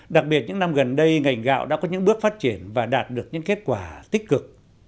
đặc biệt những năm gần đây ngành gạo đã có những bước phát triển và đạt được những kết quả tích cực